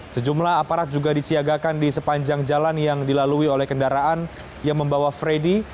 sejumlah aparat juga disiagakan di sepanjang jalan yang dilalui oleh kendaraan yang membawa freddy